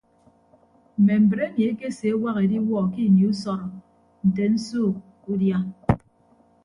Mme mbre emi ekeseewak ediwuọ ke ini usọrọ nte nsuuk udia.